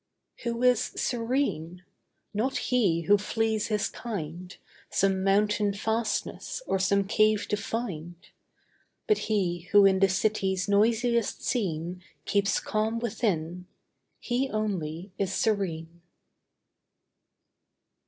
Who is serene? Not he who flees his kind, Some mountain fastness, or some cave to find; But he who in the city's noisiest scene, Keeps calm within—he only is serene.